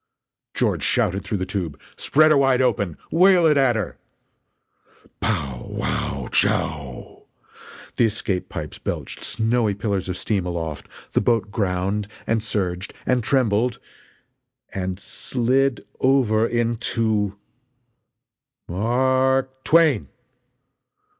George shouted through the tube: "Spread her wide open! Whale it at her!" Pow wow chow! The escape pipes belched snowy pillars of steam aloft, the boat ground and surged and trembled and slid over into "M a r k twain!"